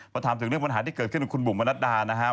พอถามถึงเรื่องปัญหาที่เกิดขึ้นกับคุณบุ๋มมนัดดานะครับ